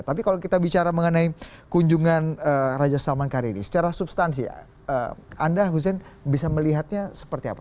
tapi kalau kita bicara mengenai kunjungan raja salman karir ini secara substansi anda hussein bisa melihatnya seperti apa